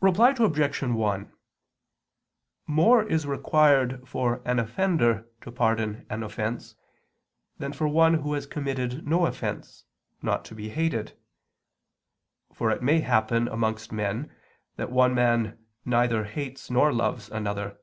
Reply Obj. 1: More is required for an offender to pardon an offense, than for one who has committed no offense, not to be hated. For it may happen amongst men that one man neither hates nor loves another.